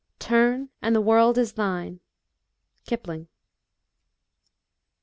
" Turn, and the world is thine." KIPLING.